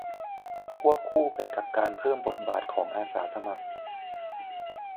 ควบคู่ไปกับการเพิ่มบทบาทของอาสาสมัคร